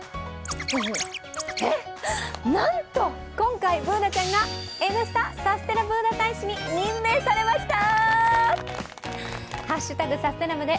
えっ、なんと今回Ｂｏｏｎａちゃんが「Ｎスタ」サステナブーナ大使に任命されました。